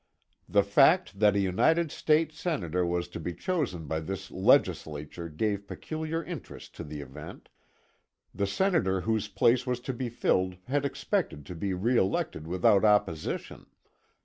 The fact that a United States Senator was to be chosen by this Legislature gave peculiar interest to the event. The senator whose place was to be filled had expected to be re elected without opposition.